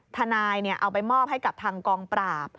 ทนายเอาไปมอบให้กับทางกองปราบ